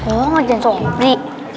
oh mau jalan sobri